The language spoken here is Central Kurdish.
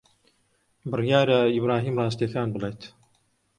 بڕیارە ئیبراهیم ڕاستییەکان بڵێت.